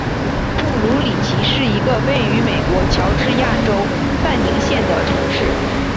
布卢里奇是一个位于美国乔治亚州范宁县的城市。